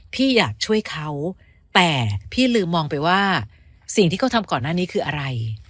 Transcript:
พี่อยากช่วยเขาแต่พี่ลืมมองไปว่าสิ่งที่เขาทำก่อนหน้านี้คืออะไร